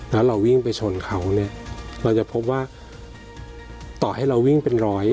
แล้วเราวิ่งไปชนเขาเนี่ยเราจะพบว่าต่อให้เราวิ่งเป็นร้อย